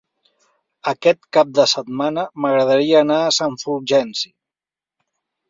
Aquest cap de setmana m'agradaria anar a Sant Fulgenci.